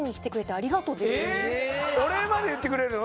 えっお礼まで言ってくれるの？